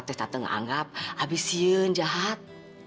tante nganggap abisian jahat